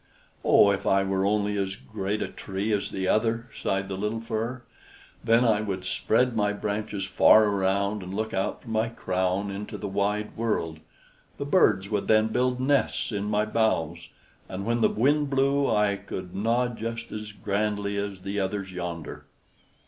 "Oh, if I were only as great a tree as the other!" sighed the little Fir, "then I would spread my branches far around, and look out from my crown into the wide world. The birds would then build nests in my boughs, and when the wind blew I could nod just as grandly as the others yonder."